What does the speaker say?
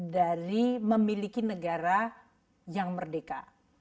dari memiliki negara yang merdeka